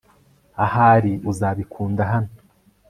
ahari uzabikunda hano